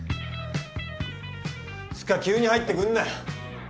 つか急に入ってくんなよ。